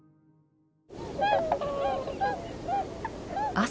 朝。